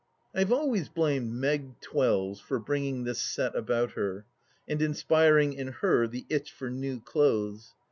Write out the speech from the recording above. I have always blamed Meg Twells for bringing this set about her and inspiring in her the itch for new clothes.